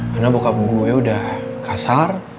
karena bokap gue udah kasar